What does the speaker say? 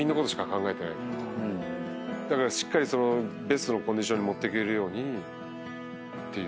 だからしっかりベストのコンディションに持っていけるようにっていう。